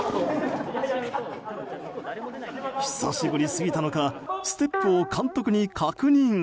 久しぶりすぎたのかステップを監督に確認。